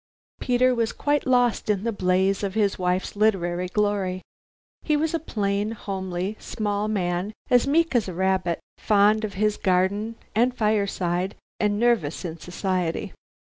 Peter was quite lost in the blaze of his wife's literary glory. He was a plain, homely, small man, as meek as a rabbit, fond of his garden and fireside, and nervous in society.